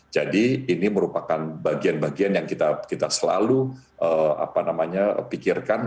jadi ini merupakan bagian bagian yang kita selalu pikirkan